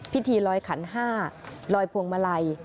พิธีลอยขัน๕ลอยพวงมาลัย